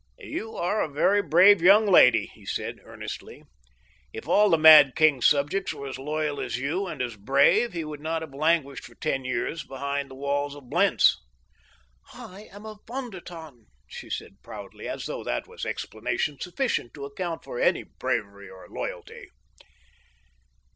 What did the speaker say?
"You are a very brave young lady," he said earnestly. "If all the mad king's subjects were as loyal as you, and as brave, he would not have languished for ten years behind the walls of Blentz." "I am a Von der Tann," she said proudly, as though that was explanation sufficient to account for any bravery or loyalty.